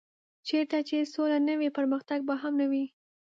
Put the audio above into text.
چېرته چې سوله نه وي پرمختګ به هم نه وي.